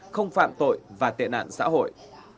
không phạm tội và tệ nạn xã hội